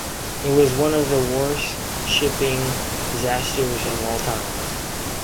It was one of the worst shipping disasters of all times.